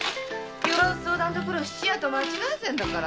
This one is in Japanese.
相談処を質屋と間違えてるんだから。